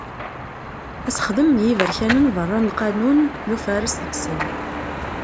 Asexdem n yiberkanen barra n lqanun d ufares deg-sen.